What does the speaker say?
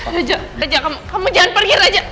raja raja kamu jangan pergi raja